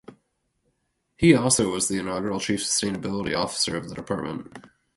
He also was the inaugural Chief Sustainability Officer of the department.